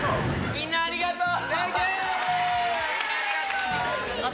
みんなありがとう！